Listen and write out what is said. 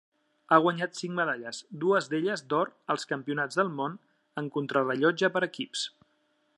Ha guanyat cinc medalles, dues d'elles d'or als Campionats del món en contrarellotge per equips.